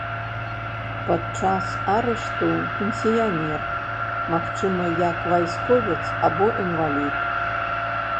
Падчас арышту пенсіянер, магчыма, як вайсковец або інвалід.